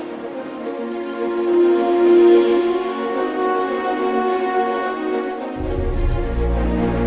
brouhaha kinda gitu ya tapi